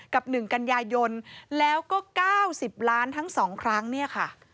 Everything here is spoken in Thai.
กับ๑กันยายนแล้วก็๙๐ล้านทั้ง๒ครั้งเนี่ยค่ะ